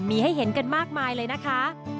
มีให้เห็นกันมากมายเลยนะคะ